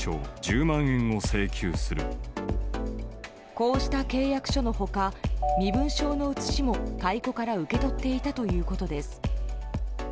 こうした契約書の他身分証の写しも買い子から受け取っていたということです。